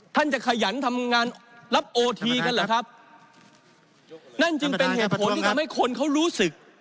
ท่านจะขยันทำงานรับโอทีกันเหรอครับนั่นจึงเป็นเหตุผลที่ทำให้คนเขารู้สึก